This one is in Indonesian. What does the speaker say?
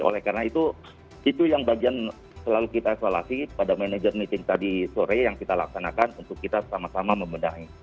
oleh karena itu yang bagian selalu kita evaluasi pada manajer meeting tadi sore yang kita laksanakan untuk kita sama sama membenahi